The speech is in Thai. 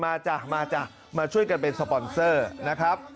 จ้ะมาจ้ะมาช่วยกันเป็นสปอนเซอร์นะครับ